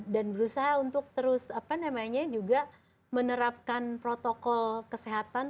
dan berusaha untuk terus apa namanya juga menerapkan protokol kesehatan